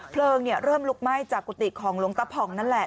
เพลิงเริ่มลุกไหม้จากกุฏิของหลวงตะผ่องนั่นแหละ